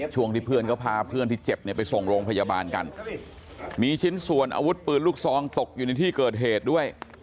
จะที่เจ็บไปส่งโรงพยาบาลกันมีชิ้นสวนอาวุธปืนลูกซองตกอยู่ในที่เกิดเหตุด้วย